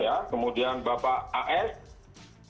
ya kemudian bapak a s